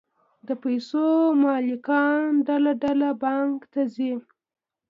د پیسو مالکان ډله ډله بانک ته ځي